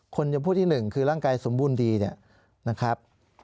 คนยำพวกที่๑คือร่างกายสมบูรณ์ดีนะครับ